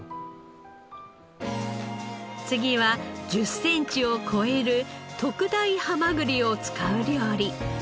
次は１０センチを超える特大ハマグリを使う料理。